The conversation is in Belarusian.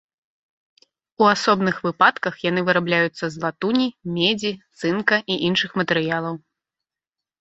У асобных выпадках яны вырабляюцца з латуні, медзі, цынка і іншых матэрыялаў.